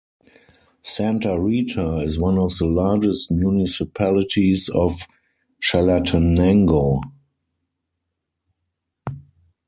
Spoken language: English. Santa Rita is one of the largest municipalities of Chalatenango.